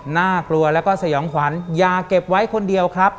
น่ากลัวแล้วก็สยองขวัญอย่าเก็บไว้คนเดียวครับ